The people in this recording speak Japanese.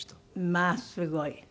まあすごい。